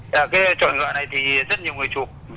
cái trò ngựa này thì rất nhiều người chụp